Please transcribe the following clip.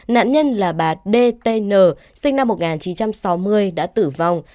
nạn nhân là bà d t n sinh năm một nghìn chín trăm sáu mươi đã tử vong